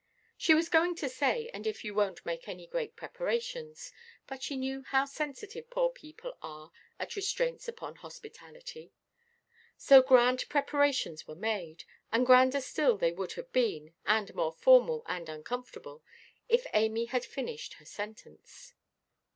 She was going to say, "and if you wonʼt make any great preparations," but she knew how sensitive poor people are at restraints upon hospitality. So grand preparations were made; and grander still they would have been, and more formal and uncomfortable, if Amy had finished her sentence.